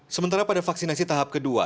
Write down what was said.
sementara pada vaksinasi tahap kedua